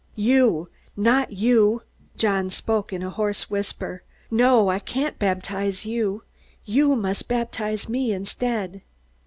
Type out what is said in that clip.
"You! Not you!" John spoke in a hoarse whisper. "No! I can't baptize you. You must baptize me instead!"